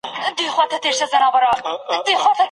کله سیاسي فشارونه پر محکمو اغیزه کوي؟